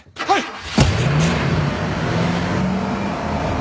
はい！